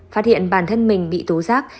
phát hiện bản thân mình bị tố giác